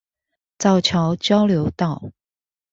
造橋交流道